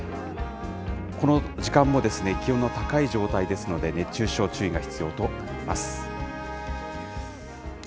この時間も気温の高い状態ですので、熱中症、注意が必要となります。